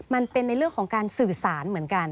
มันเป็นในเรื่องของการสื่อสารเหมือนกัน